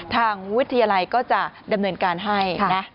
ทางวิทยาลัยก็จะดำเนินการให้นะ